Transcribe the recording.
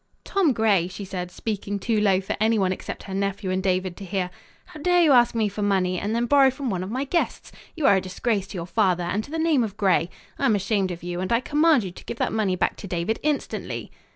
"Tom Gray," she said, speaking too low for anyone except her nephew and David to hear, "how dare you ask me for money and then borrow from one of my guests? You are a disgrace to your father, and to the name of Gray! I am ashamed of you and I command you to give that money back to David instantly."